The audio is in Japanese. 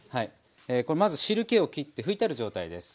これまず汁けをきって拭いてある状態です。